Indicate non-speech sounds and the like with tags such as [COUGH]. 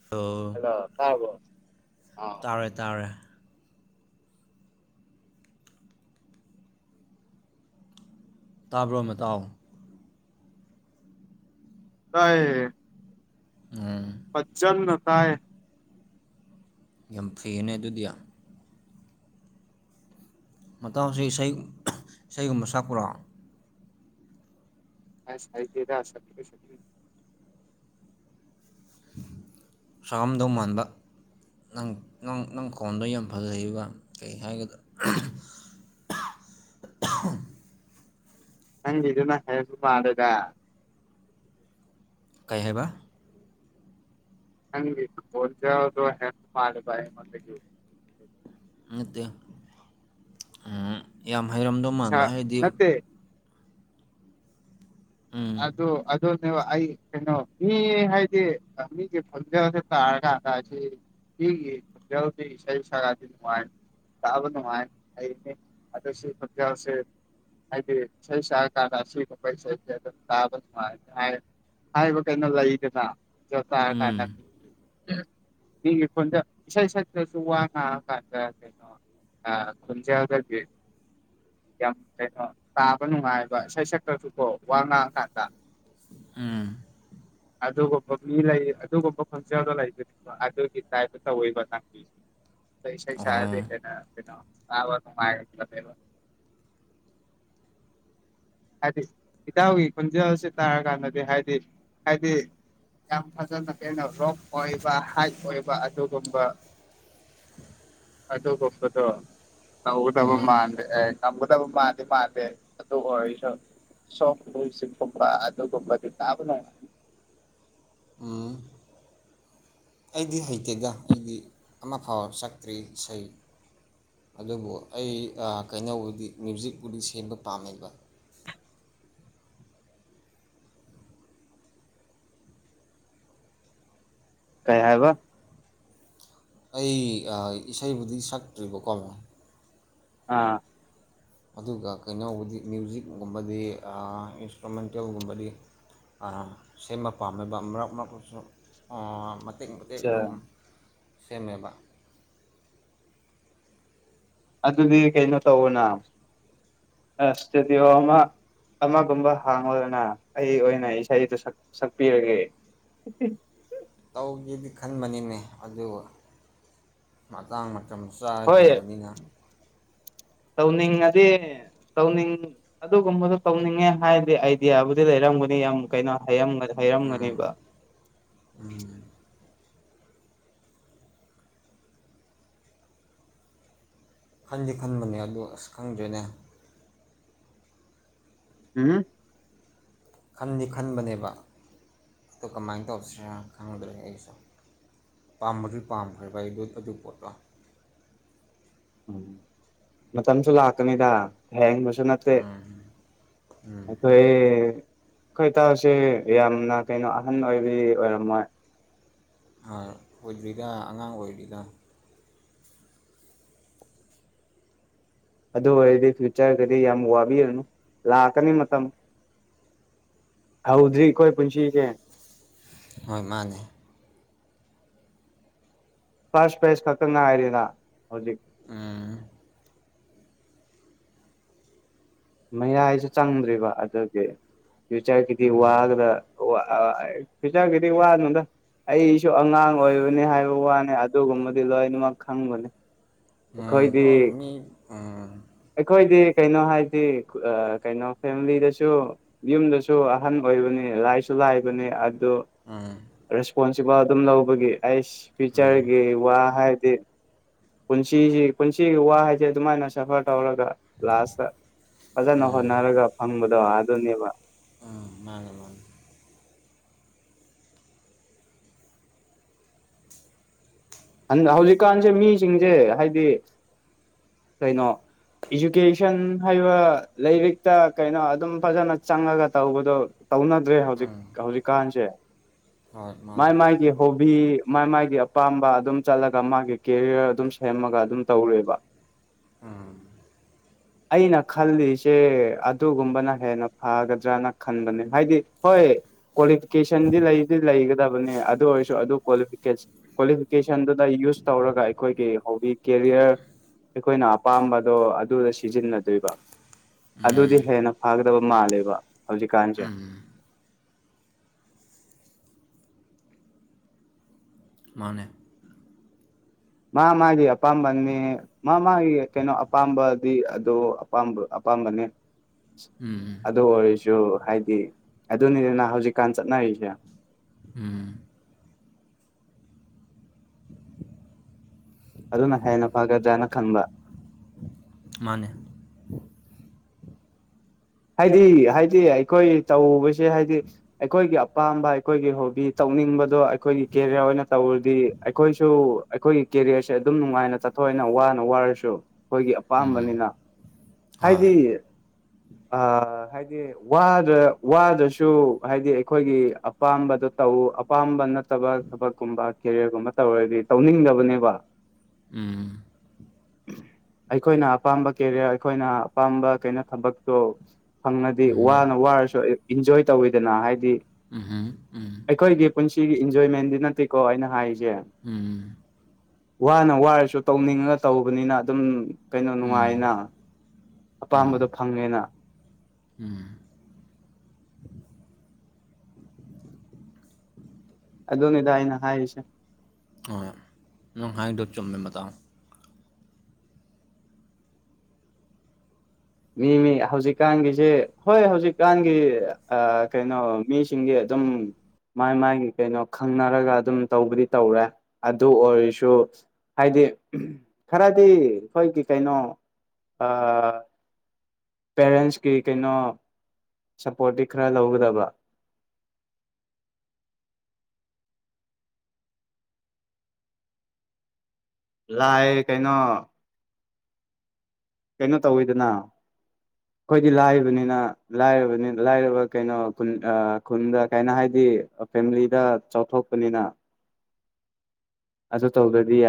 [UNINTELLIGIBLE] ꯑ ꯇꯥꯕ꯭ꯔꫭ ꯑ ꯇꯥꯔꯦ ꯇꯥꯔꯦ ꯇꯥꯕ꯭ꯔꯣ ꯃꯇꯥꯎ ꯇꯥꯏꯌꯦ ꯎꯝ ꯐꯖꯅ ꯇꯥꯏ ꯌꯥꯝ ꯐ꯭ꯔꯤꯌꯦꯅꯦ ꯑꯗꯨꯗꯤ ꯃꯇꯥꯎꯁꯤ ꯏꯁꯩ ꯏꯁꯩꯒꯨꯝꯕ ꯁꯛꯄ꯭ꯔꯣ ꯑꯥꯏꯁ ꯍꯩꯇꯦꯗ ꯁꯛꯄ [UNINTELLIGIBLE] ꯁꯛꯑꯝꯗꯧ ꯃꯥꯟꯕ ꯅꯪ ꯅꯪ ꯅꯪ ꯈꫭꯟꯗꯣ ꯌꯥꯝ ꯐꯖꯩꯕ ꯀꯩ ꯍꯥꯏꯒꯗ꯭ꯔ [UNINTELLIGIBLE] ꯅꯪꯒꯤꯗꯨꯅ ꯍꯦꯟꯕ ꯃꯥꯜꯂꯦꯗ ꯀꯩ ꯍꯥꯏꯕ ꯅꯪꯒꯤ ꯈꫭꯟꯗꫭ [UNINTELLIGIBLE] ꯃꯥꯜꯂꯦꯕ ꯑꯩꯉꯣꯟꯗꯒꯤ ꯅꯠꯇꯦ ꯎꯝ ꯌꯥꯝ ꯍꯩꯔꯝꯗꯧ ꯁꯥ ꯃꯥꯟꯕ ꯍꯥꯏꯗꯤ ꯅꯠꯇꯦ ꯎꯝ ꯑꯗꯣ ꯑ ꯑꯗꯨꯅꯦꯕ ꯑꯩ ꯀꯩꯅꯣ ꯃꯤ ꯍꯥꯏꯗꯤ ꯃꯤꯒꯤ ꯈꯣꯟꯖꯦꯜꯁꯦ ꯇꯥꯔ ꯀꯥꯟꯗ ꯑꯁꯤ ꯃꯤꯒꯤ ꯈꯣꯟꯖꯦꯜꯁꯦ ꯏꯁꯩ ꯁꯛꯑꯗꯤ ꯅꯨꯡꯉꯥꯏꯅꯤ ꯇꯥꯕ ꯅꯨꯡꯉꯥꯏ ꯑꯩꯗꯤ ꯑꯗꯨꯁꯨ ꯈꯣꯟꯖꯦꯜꯁꯤ ꯍꯥꯏꯗꯤ ꯏꯁꯩ ꯁꯛꯑ ꯀꯥꯟꯗ ꯑꯁꯤ ꯒꯨꯝꯕ ꯏꯁꯩꯁꯦ ꯇꯥꯕ ꯅꯨꯡꯉꯥꯏꯅꯤ ꯍꯥꯏꯕ ꯍꯥꯏꯕ ꯀꯩꯅꯣ ꯂꯩꯗꯅ ꯑꯗꫭ ꯎꯝ ꯇꯥꯔꯀꯥꯟꯗ [UNINTELLIGIBLE] ꯃꯤꯒꯤ ꯈꯨꯟꯗ ꯏꯁꯩ ꯁꯛꯇ꯭ꯔꯁꯨ ꯋꯥ ꯉꯥꯡꯉꯀꯥꯟꯗ ꯀꯩꯅꯣ ꯑ ꯈꯣꯟꯖꯦꯜꯗꯒꯤ ꯌꯥꯝ ꯀꯩꯅꯣ ꯇꯥꯕ ꯅꯨꯡꯉꯥꯏꯕ ꯏꯁꯩ ꯁꯛꯇ꯭ꯔꯁꯨꯀꯣ ꯋꯥ ꯉꯥꯡꯉ ꯀꯥꯟꯗ ꯎꯝ ꯑꯗꯨꯒꯨꯝꯕ ꯃꯤ ꯂꯩ ꯑꯗꯨꯒꯨꯝꯕ ꯈꯣꯟꯖꯦꯜꯗꯣ [UNINTELLIGIBLE] ꯑꯗꯨꯒꯤ ꯇꯥꯏꯞ ꯇꯧꯋꯦꯕ ꯅꯪꯗꯤ ꯈꯣꯏ ꯏꯁꯩ ꯁꯛꯑꯗꯤ ꯑꯣ ꯀꯩꯅꯣ ꯀꯩꯅꯣ ꯇꯥꯕ ꯅꯨꯡꯉꯥꯏꯒꯅꯦꯕ ꯍꯥꯏꯗꯤ ꯏꯇꯥꯎꯒꯤ ꯈꫭꯟꯖꯦꯜꯁꯤ ꯇꯥꯔꯀꯥꯟꯗꯗꯤ ꯍꯥꯏꯗꯤ ꯍꯥꯏꯗꯤ ꯌꯥꯝ ꯐꯖꯅ ꯀꯩꯅꫭ ꯔꯣꯛ ꯑꯣꯏꯕ ꯍꯥꯏꯠ ꯑꯣꯏꯕ ꯑꯗꯨꯒꯨꯝꯕ ꯑꯗꯨꯒꯨꯝꯕꯗꯣ ꯇꯧꯒꯗꯕ ꯎꯝ ꯃꯥꯟꯗꯦ ꯑꯦ ꯇꯝꯒꯗꯕ ꯃꯥꯟꯗꯤ ꯃꯥꯟꯗꯦ ꯑꯗꯨꯑꯣꯏ ꯁꯨ ꯁꯣꯞ [UNINTELLIGIBLE] ꯀꯨꯝꯕ ꯑꯗꯒꯨꯝꯕꯗꯤ ꯇꯥꯕ ꯎꯝ ꯑꯩꯗꯤ ꯍꯩꯇꯦꯗ ꯑꯩꯗꯤ ꯑꯃ ꯐꯥꯎ ꯁꯛꯇ꯭ꯔꯤ ꯏꯁꯩ ꯑꯗꯨꯕꯨ ꯑꯩ ꯑꯥ ꯀꯩꯅꯣꯕꯨꯗꯤ ꯃ꯭ꯌꯨꯖꯤꯛꯄꯨꯗꯤ ꯁꯦꯝꯕ ꯄꯥꯝꯃꯦꯕ ꯀꯩ ꯍꯥꯏꯕ ꯑꯩ ꯑꯥ ꯏꯁꯩꯕꯨꯗꯤ ꯁꯛꯇ꯭ꯔꯤꯕꯀꯣ ꯑꯥ ꯑꯗꯨꯒ ꯀꯩꯅꯣꯕꯨꯗꯤ ꯃ꯭ꯌꯨꯖꯤꯛꯒꯨꯝꯕꯗꯤ ꯑꯥ ꯏꯟꯁꯇ꯭ꯔꯨꯃꯦꯟꯇꯦꯜꯒꯨꯝꯕꯗꯤ ꯑ ꯁꯦꯝꯕ ꯄꯥꯝꯃꯦꯕ ꯃ꯭ꯔꯛ ꯃꯔꯛꯇꯁꯨ [UNINTELLIGIBLE] ꯃꯇꯦꯛ ꯃꯇꯦꯛ ꯑꯆꯥ ꯑꯗꯨꯝ ꯁꯦꯝꯃꯦꯕ ꯑꯗꯨꯗꯤ ꯀꯩꯅꯣ ꯇꯧꯋꯣꯅ ꯑ ꯏꯁꯇꯨꯗꯤꯌꯣ ꯑꯃ ꯑꯃꯒꯨꯝꯕ ꯍꯥꯡꯉꯣꯗꯅ ꯑꯩ ꯑꯣꯏꯅ ꯏꯁꯩꯗꯨ ꯁꯛ ꯁꯛꯄꯤꯔꯒꯦ ꯇꯧꯒꯦꯗꯤ ꯈꯟꯕꯅꯤꯅꯦ ꯑꯗꯨ ꯃꯇꯥꯡ ꯃꯇꯝ ꯍꯣꯏ ꯆꯥꯗ꯭ꯔꯤꯕꯅꯤꯅ ꯇꯧꯅꯤꯡꯉꯗꯤ ꯇꯧꯅꯤꯡ ꯑꯗꯨꯒꯨꯝꯕꯗꯣ ꯇꯧꯅꯤꯡꯉꯦ ꯍꯥꯏꯔꯗꯤ ꯑꯥꯏꯗꯤꯌꯥꯕꯨꯗꯤ ꯂꯩꯔꯝꯒꯅꯤ ꯌꯥꯝ ꯀꯩꯅꯣ ꯍꯩꯔꯝ ꯎꯝ ꯍꯩꯔꯝꯒꯅꯤꯕ ꯎꯝ ꯈꯟꯗꯤ ꯈꯟꯕꯅꯦ ꯑꯗꯣ ꯑꯁ ꯈꯪꯗ꯭ꯔꯦꯅꯦ ꯎꯝꯍꯨꯝ ꯈꯟꯗꯤ ꯈꯟꯕꯅꯦꯕ ꯑꯗꯣ ꯀꯃꯥꯏꯟ ꯇꯧꯁꯤꯔ ꯈꯪꯗ꯭ꯔꯦ ꯑꯩꯁꯨ ꯄꯥꯝꯕꯨꯗꯤ ꯄꯥꯝꯈ꯭ꯔꯦꯕ ꯑꯩ ꯑꯗꯨ ꯄꯣꯠꯇꯣ ꯃꯇꯝꯁꯨ ꯂꯥꯛꯀꯅꯤꯗ ꯊꯦꯡꯕꯁꯨ ꯅꯠꯇꯦ ꯎꯝ ꯎꯝ ꯑꯈꯣꯏ ꯈꯣꯏ ꯏꯇꯥꯎꯁꯦ ꯌꯥꯝꯅ ꯀꯩꯅꯣ ꯑꯍꯟ ꯑꯣꯏꯕꯗꯤ ꯑꯣꯏꯔꯝꯃꯣꯏ [UNINTELLIGIBLE] ꯑꯣꯏꯗ꯭ꯔꯤꯗ ꯑꯉꯥꯡ ꯑꯣꯏꯔꯤꯗ ꯑꯗꯨ ꯑꯣꯏꯔꯗꯤ ꯐ꯭ꯌꯨꯆꯔꯒꯗꯤ ꯌꯥꯝ ꯋꯥꯕꯤꯔꯨꯅꯨ ꯂꯥꯛꯀꯅꯤ ꯃꯇꯝ ꯍꯧꯗ꯭ꯔꯤ ꯑꯈꯣꯏ ꯄꯨꯟꯁꯤꯁꯦ ꯍꯣꯏ ꯃꯥꯅꯦ ꯐꯥꯔꯁ [UNINTELLIGIBLE] ꯈꯛꯇ ꯉꯥꯏꯔꯤꯅ ꯍꯧꯖꯤꯛ ꯎꯝ ꯃꯌꯥꯏꯁꯨ ꯆꯪꯗ꯭ꯔꯤꯕ ꯑꯗꯨꯒꯤ ꯐ꯭ꯌꯨꯆꯔꯒꯤꯗꯤ ꯋꯥ [UNINTELLIGIBLE] ꯋ ꯐ꯭ꯌꯨꯆꯔꯒꯤꯗꯤ ꯋꯥꯒꯅꯨꯗ ꯑꯩꯁꯨ ꯑꯉꯥꯡ ꯑꯣꯏꯕꯅꯦ ꯍꯥꯏꯕ ꯋꯥꯅꯦ ꯑꯗꯨꯒꯨꯝꯕꯗꯤ ꯂꯣꯏꯅꯃꯛ ꯈꯪꯕꯅꯦ ꯎꯝ ꯂꯣꯏ ꯃꯤ ꯎꯝ ꯑꯈꯣꯏꯗꯤ ꯀꯩꯅꯣ ꯍꯥꯏꯗꯤ ꯀꯩꯅꯣ ꯐꯦꯃꯤꯂꯤꯗꯁꯨ ꯌꯨꯝꯗꯁꯨ ꯑꯍꯟ ꯑꯣꯏꯕꯅꯦ ꯂꯥꯏꯁꯨ ꯂꯥꯏꯕꯅꯦ ꯑꯗꯨ ꯎꯝ ꯔꯦꯁꯄꯣꯟꯁꯤꯕꯜ ꯑꯗꯨꯝ ꯂꯧꯕꯒꯤ ꯑꯩ ꯎꯝ ꯐ꯭ꯌꯨꯆꯔꯒꯤ ꯋꯥ ꯍꯥꯏꯔꯗꯤ ꯄꯨꯟꯁꯤꯁꯤ ꯄꯨꯟꯁꯤꯒꯤ ꯋꯥ ꯍꯥꯏꯁꯦ ꯑꯗꯨꯃꯥꯏꯅ ꯁꯐꯔ ꯇꯧꯔꯒ ꯂꯥꯁꯇ ꯐꯖꯅ ꯍꯣꯠꯅꯔꯒ ꯐꯪꯕꯗꯣ ꯑꯗꯨꯅꯦꯕ ꯃꯥꯅꯤ ꯃꯥꯅꯤ [UNINTELLIGIBLE] ꯍꯧꯖꯤꯛꯀꯥꯟꯁꯦ ꯃꯤꯁꯤꯡꯁꯦ ꯍꯥꯏꯗꯤ ꯀꯩꯅꯣ ꯏꯖꯨꯀꯦꯁꯟ ꯍꯥꯏꯕ ꯂꯥꯏꯔꯤꯛꯇ ꯀꯩꯅꯣ ꯑꯗꯨꯝ ꯐꯖꯅ ꯆꯪꯉꯒ ꯇꯧꯕꯗꯣ ꯇꯧꯅꯗ꯭ꯔꯦ ꯍꯧꯖꯤꯛ ꯎꯝ ꯍꯧꯖꯤꯛꯀꯥꯟꯁꯦ ꯍꯣꯏ ꯃꯥꯅꯦ ꯃꯥꯏ ꯃꯥꯥꯏꯒꯤ ꯍꯣꯕꯤ ꯃꯥꯏ ꯃꯥꯥꯏꯒꯤ ꯑꯄꯥꯝꯕ ꯑꯗꯨꯝ ꯆꯠꯂꯒ ꯃꯥꯒꯤ ꯀꯦꯔꯤꯌꯔ ꯑꯗꯨꯝ ꯁꯦꯝꯃꯒ ꯑꯗꯨꯝ ꯇꯧꯔꯦꯕ [UNINTELLIGIBLE] ꯑꯩꯅ ꯈꯜꯂꯤꯁꯦ ꯑꯗꯨꯒꯨꯝꯕꯅ ꯍꯦꯟꯅ ꯐꯥꯒꯗ꯭ꯔꯅ ꯈꯟꯕꯅꯦ ꯍꯥꯏꯗꯤ ꯍꯣꯏ ꯀ꯭ꯋꯥꯂꯤꯐꯤꯀꯦꯁꯟꯗꯤ ꯂꯩꯗꯤ ꯂꯩꯒꯗꯕꯅꯦ ꯑꯗꯨ ꯑꯣꯏꯁꯨ ꯑꯗꯨ ꯀ꯭ꯋꯥꯂꯤꯐꯤꯀꯦꯁꯟ ꯀ꯭ꯋꯥꯂꯤ ꯐꯤꯀꯦꯁꯟꯗꯨꯗ ꯌꯨꯁ ꯇꯧꯔꯒ ꯑꯩꯈꯣꯏꯒꯤ ꯍꯣꯕꯤ ꯀꯦꯔꯤꯌꯔ ꯑꯩꯈꯣꯏꯅ ꯑꯄꯥꯝꯕꯗꯣ ꯑꯗꯨꯗ ꯁꯤꯖꯤꯟꯅꯗꯣꯏꯕ ꯑꯗꯨꯗꯤ ꯎꯝ ꯍꯦꯟꯅ ꯐꯒꯗꯕ ꯃꯥꯜꯂꯦꯕ ꯍꯧꯖꯤꯛꯀꯥꯟꯖꯦ ꯎꯝ ꯃꯥꯟꯅꯦ ꯃꯥ ꯃꯥꯒꯤ ꯑꯄꯥꯝꯕꯅꯦ ꯃꯥ ꯃꯥꯒꯤ ꯀꯩꯅꯣ ꯑꯄꯥꯝꯕꯗꯤ ꯑꯗꯣ ꯑꯄꯥꯝꯕ ꯑꯄꯥꯝꯕꯅꯦ ꯎꯝ ꯑꯗꯨ ꯑꯣꯏꯔꯁꯨ ꯍꯥꯏꯗꯤ ꯑꯗꯨꯅꯤꯗꯅ ꯍꯧꯖꯤꯛꯀꯥꯟ ꯆꯠꯅꯔꯤꯖꯦ ꯎꯝ ꯑꯗꯨꯅ ꯍꯦꯟꯅ ꯐꯒꯗ꯭ꯔꯅ ꯈꯟꯕ ꯃꯥꯟꯅꯦ ꯍꯥꯏꯗꯤ ꯍꯥꯏꯗꯤ ꯑꯩꯈꯣꯏ ꯇꯧꯕꯁꯦ ꯍꯥꯏꯗꯤ ꯑꯩꯈꯣꯏꯒꯤ ꯑꯄꯥꯝꯕ ꯑꯩꯈꯣꯏꯒꯤ ꯍꯣꯕꯤ ꯇꯧꯅꯤꯡꯕꯗꯣ ꯑꯩꯈꯣꯏꯒꯤ ꯀꯦꯔꯤꯌꯔ ꯑꯣꯏꯅ ꯇꯧꯔꯗꯤ ꯑꯩꯈꯣꯏꯁꯨ ꯑꯩꯈꯣꯏꯒꯤ ꯀꯦꯔꯤꯌꯔꯁꯦ ꯑꯗꯨꯝ ꯅꯨꯡꯉꯥꯏꯅ ꯆꯠꯊꯣꯛꯑꯦꯅ ꯋꯥꯅ ꯋꯥꯔꯁꯨ ꯈꯣꯏꯒꯤ ꯎꯝ ꯑꯄꯥꯝꯕꯅꯤꯅ ꯍꯣꯏ ꯍꯥꯏꯗꯤ ꯑꯥ ꯍꯥꯏꯗꯤ ꯋꯥꯗ꯭ꯔ ꯋꯥꯗ꯭ꯔꯁꯨ ꯍꯥꯏꯗꯤ ꯑꯩꯈꯣꯏꯒꯤ ꯑꯞ ꯑꯄꯥꯝꯕꯗꯣ ꯇꯧ ꯑꯄꯥꯝꯕ ꯅꯠꯇꯕ ꯊꯕꯛꯀꯨꯝꯕ ꯀꯦꯔꯤꯌꯔꯒꯨꯝꯕ ꯇꯧꯔꯗꯤ ꯇꯧꯅꯤꯡꯗꯕꯅꯦꯕ ꯎꯝ ꯑꯩꯈꯣꯏꯅ ꯑꯄꯥꯝꯕ ꯀꯦꯔꯤꯌꯔ ꯑꯩꯈꯣꯏꯅ ꯑꯄꯥꯝꯕ ꯀꯩꯅꯣ ꯊꯕꯛ ꯇꯣ ꯐꯪꯅꯗꯦ ꯎꯝꯍꯨꯝ ꯋꯥꯅ ꯋꯥꯔꯁꯨ ꯏꯟꯖꯣꯏ ꯇꯧꯋꯤꯗꯅ ꯍꯥꯏꯗꯤ ꯎꯝꯍꯨꯝ ꯎꯝ ꯑꯩꯈꯣꯏꯒꯤ ꯄꯨꯟꯁꯤꯒꯤ ꯏꯟꯖꯣꯏꯃꯦꯟꯗꯤ ꯅꯠꯇꯦꯀꯣ ꯑꯩꯅ ꯍꯥꯏꯔꯤꯖꯦ ꯎꯝ ꯋꯥꯅ ꯋꯥꯔꯁꯨ ꯇꯧꯅꯤꯡꯉꯒ ꯇꯧꯕꯅꯤꯅ ꯑꯗꯨꯝ ꯀꯩꯅꯣ ꯎꯝ ꯅꯨꯡꯉꯥꯏꯅ ꯎꯝ ꯎꯝ ꯑꯄꯥꯝꯕꯗꯣ ꯐꯪꯉꯦꯅ ꯎꯝ ꯑꯗꯨꯅꯤꯗ ꯑꯩꯅ ꯍꯥꯏꯔꯤꯁꯦ ꯍꯣꯏ ꯅꯪ ꯍꯥꯏꯗꯣ ꯆꯨꯝꯃꯦ ꯃꯇꯥꯎ ꯃꯤ ꯃꯤ ꯍꯧꯖꯤꯛꯀꯥꯟꯒꯤꯁꯦ ꯍꯣꯏ ꯍꯧꯖꯤꯛꯀꯥꯟꯒꯤ ꯀꯩꯅꯣ ꯃꯤꯁꯤꯡꯒꯤ ꯑꯗꯨꯝ ꯃꯥꯥꯏ ꯃꯥꯒꯤ ꯀꯩꯅꯣ ꯈꯪꯅꯔꯒ ꯑꯗꯨꯝ ꯇꯧꯕꯗꯤ ꯇꯧꯔꯦ ꯑꯗꯨ ꯑꯣꯏꯔꯁꯨ ꯍꯥꯏꯗꯤ ꯈꯔꯗꯤ ꯑꯩꯈꯣꯏꯒꯤ ꯀꯩꯅꯣ ꯑꯥ ꯄꯦꯔꯦꯟꯁꯀꯤ ꯀꯩꯅꯣ ꯁꯞꯄꯣꯔꯠꯇꯤ ꯈꯔ ꯂꯧꯒꯗꯕ ꯂꯥꯏꯑꯦ ꯀꯩꯅꯣ ꯀꯩꯅꯣ ꯇꯧꯋꯤꯗꯅ [INAUDIBLE] ꯈꯣꯏꯗꯤ ꯂꯥꯏꯕꯅꯤꯅ ꯂꯥꯏꯔꯕꯅꯤꯅ ꯂꯥꯏꯔꯕ ꯀꯩꯅꯣ ꯈꯨꯟ ꯈꯨꯟꯗ ꯀꯥꯏꯅꯣ ꯍꯥꯏꯗꯤ ꯐꯦꯃꯤꯂꯤꯗ ꯆꯥꯎꯊꯣꯛꯄꯅꯤꯅ [INAUDIBLE] ꯑꯗꯨ ꯇꯧꯗꯗꯤ ꯌꯥ